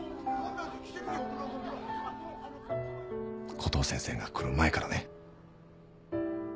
コトー先生が来る前からね。